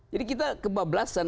jadi kita kebablasan